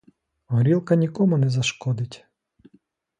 Горілка нікому не зашкодить.